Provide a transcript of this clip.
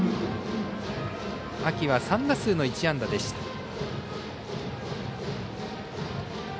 秋は３打数の１安打でした。